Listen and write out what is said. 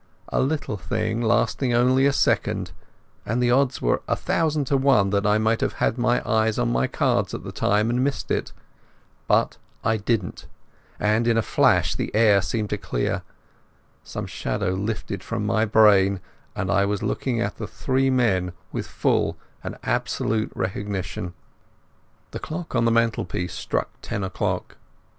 A little thing, lasting only a second, and the odds were a thousand to one that I might have had my eyes on my cards at the time and missed it. But I didn't, and, in a flash, the air seemed to clear. Some shadow lifted from my brain, and I was looking at the three men with full and absolute recognition. The clock on the mantelpiece struck ten o'clock.